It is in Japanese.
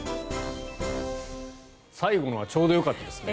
最後のはちょうどよかったですね。